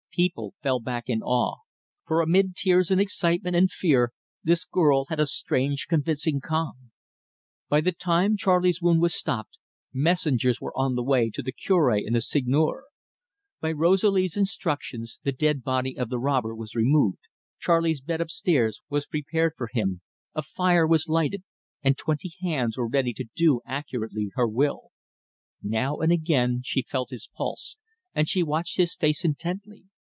People fell back in awe, for, amid tears and excitement and fear, this girl had a strange convincing calm. By the time Charley's wound was stopped, messengers were on the way to the Cure and the Seigneur. By Rosalie's instructions the dead body of the robber was removed, Charley's bed up stairs was prepared for him, a fire was lighted, and twenty hands were ready to do accurately her will. Now and again she felt his pulse, and she watched his face intently.